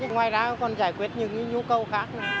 ngoài ra còn giải quyết những nhu cầu khác